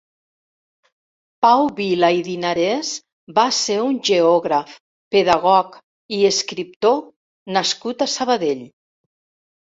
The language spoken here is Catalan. Pau Vila i Dinarès va ser un geògraf, pedagog i escriptor nascut a Sabadell.